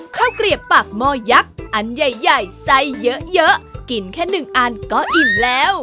เกลียบปากหม้อยักษ์อันใหญ่ใจเยอะกินแค่หนึ่งอันก็อิ่มแล้ว